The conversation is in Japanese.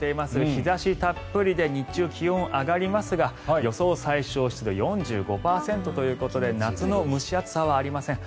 日差したっぷりで日中、気温が上がりますが予想最小湿度４５％ということで夏の蒸し暑さはありません。